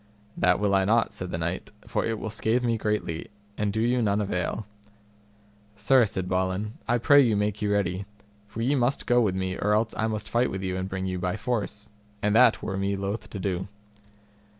That will I not, said the knight, for it will scathe me greatly, and do you none avail. Sir, said Balin, I pray you make you ready, for ye must go with me, or else I must fight with you and bring you by force, and that were me loath to do.